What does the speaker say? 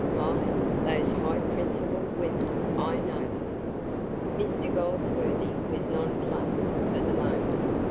"Ah, those high principled women I know them!" Mr Goldsworthy was nonplussed for the moment.